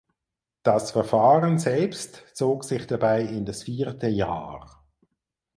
Das Verfahren selbst zog sich dabei in das vierte Jahr.